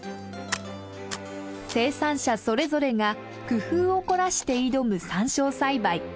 生産者それぞれが工夫を凝らして挑むサンショウ栽培。